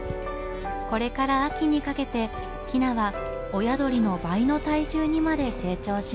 これから秋にかけてヒナは親鳥の倍の体重にまで成長します。